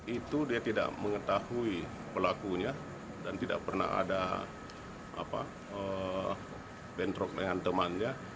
itu dia tidak mengetahui pelakunya dan tidak pernah ada bentrok dengan temannya